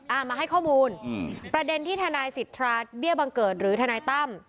มาให้ข้อมูลอืมประเด็นที่ทนายสิทธาเบี้ยบังเกิดหรือทนายตั้ม